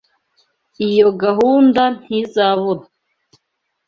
Iyo gahunda ntizabura.